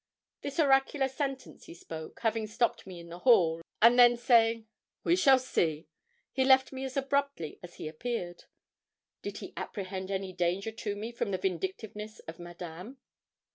This oracular sentence he spoke, having stopped me in the hall; and then saying, 'We shall see,' he left me as abruptly as he appeared. Did he apprehend any danger to me from the vindictiveness of Madame?